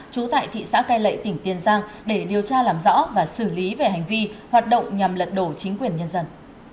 trú tại thị xã cai lệ tỉnh tiền giang để điều tra làm rõ và xử lý về hành vi hoạt động nhằm lật đổ chính quyền nhân dân